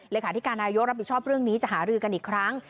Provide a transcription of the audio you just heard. เลขาธิการนายกรับผิดชอบเรื่องนี้จะหารือกันอีกครั้ง